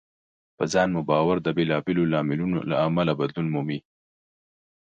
په ځان مو باور د بېلابېلو لاملونو له امله بدلون مومي.